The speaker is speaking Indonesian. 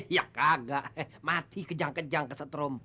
iya kagak mati kejang kejang kesetrum